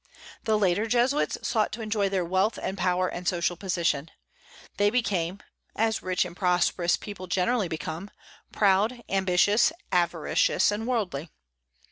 The later Jesuits sought to enjoy their wealth and power and social position. They became as rich and prosperous people generally become proud, ambitious, avaricious, and worldly.